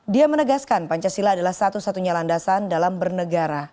dia menegaskan pancasila adalah satu satunya landasan dalam bernegara